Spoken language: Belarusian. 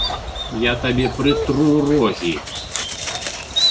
Я табе прытру рогі!